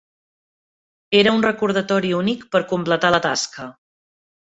Era un recordatori únic per completar la tasca.